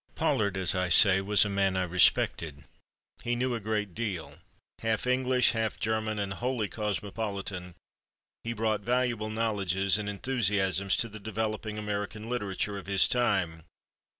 Pollard, as I say, was a man I respected. He knew a great deal. Half English, half German and wholly cosmopolitan, he brought valuable knowledges and enthusiasms to the developing American literature of his time.